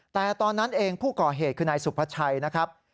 แต่ตอนนั้นเองผู้ก่อเหตุคือนายสุภาชัยนะครับ